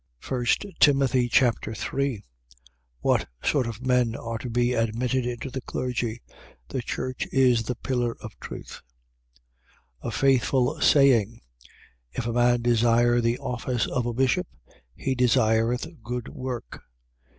1 Timothy Chapter 3 What sort of men are to be admitted into the clergy. The church is the pillar of truth. 3:1. A faithful saying: If a man desire the office of a bishop, he desireth good work.